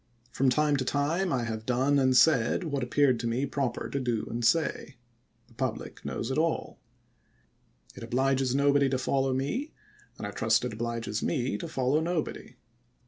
From time to time I have done and said what appeared to me proper to do and say. The public knows it aU. It obliges nobody to follow me, and I trust it obliges me to follow nobody.